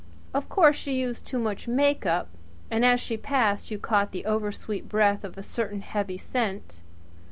Of course she used too much perfumed white powder, and as she passed you caught the oversweet breath of a certain heavy scent.